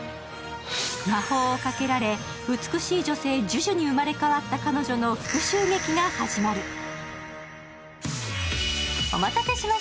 魔法をかけられ、美しい女性ジュジュに生まれ変わった彼女の復しゅう劇が始まる。